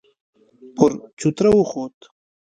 پر چوتره وخوت.